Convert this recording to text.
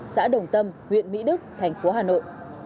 xã đồng tâm huyện mỹ đức tp hà nội